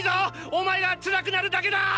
お前がつらくなるだけだ！！